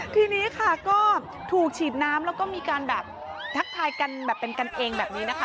ทีนี้ค่ะก็ถูกฉีดน้ำแล้วก็มีการแบบทักทายกันแบบเป็นกันเองแบบนี้นะคะ